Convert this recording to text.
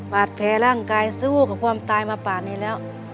บาดแผลร่างกายสู้กับความตายมาป่านี้แล้ว